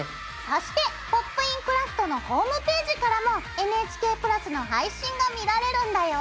そして「ポップイン！クラフト」のホームページからもＮＨＫプラスの配信が見られるんだよ。